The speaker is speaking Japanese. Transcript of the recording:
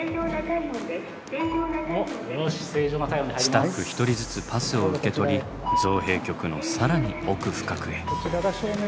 スタッフ一人ずつパスを受け取り造幣局の更に奥深くへ。